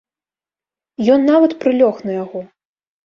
Ён нават прылёг на яго.